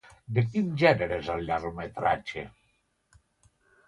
De quin gènere és el llargmetratge?